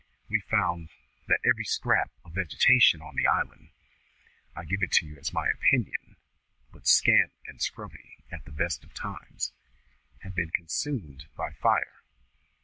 We found that every scrap of vegetation on the island (I give it you as my opinion, but scant and scrubby at the best of times) had been consumed by fire.